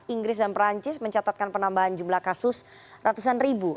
inggris dan perancis mencatatkan penambahan jumlah kasus ratusan ribu